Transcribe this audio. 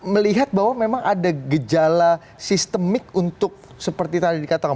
melihat bahwa memang ada gejala sistemik untuk seperti tadi dikatakan